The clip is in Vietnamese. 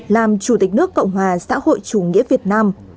làm chủ tịch nước cộng hòa xã hội chủ nghĩa việt nam